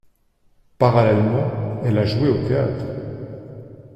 Parallèlement, elle a joué au théâtre.